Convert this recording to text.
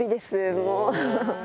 もう。